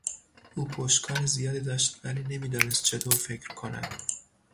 او پشتکار زیادی داشت ولی نمیدانست چطور فکر کند.